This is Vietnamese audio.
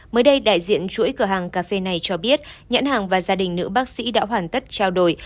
mới đây đại diện chuỗi cửa hàng cà phê này cho biết nhãn hàng và gia đình nữ bác sĩ đã hoàn tất trao đổi